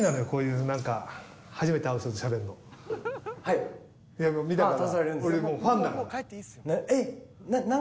いやもう見たから。